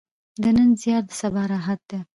د نن زیار د سبا راحت ده.